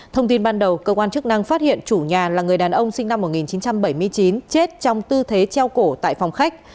thông tin ban đầu cơ quan chức năng phát hiện chủ nhà là người đàn ông sinh năm một nghìn chín trăm bảy mươi chín chết trong tư thế treo cổ tại phòng khách